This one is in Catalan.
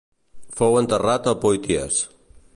Fou enterrat a Poitiers.